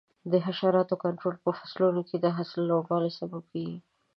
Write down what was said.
د حشراتو کنټرول په فصلونو کې د حاصل د لوړوالي سبب دی.